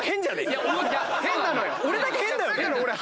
俺だけ変だよね？